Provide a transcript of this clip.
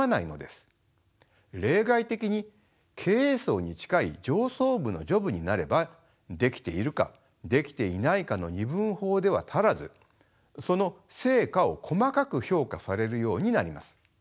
例外的に経営層に近い上層部のジョブになればできているかできていないかの二分法では足らずその成果を細かく評価されるようになります。